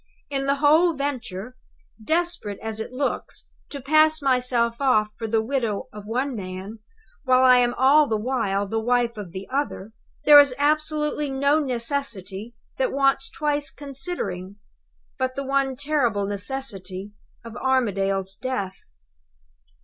In the whole venture desperate as it looks to pass myself off for the widow of one man, while I am all the while the wife of the other there is absolutely no necessity that wants twice considering, but the one terrible necessity of Armadale's death.